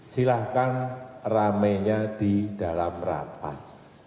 silahkan rame nya di dalam rapat